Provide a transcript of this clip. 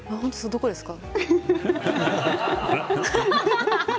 どこですか？